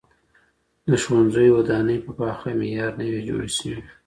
د ښوونځیو ودانۍ په پاخه معیار نه وي جوړي سوي.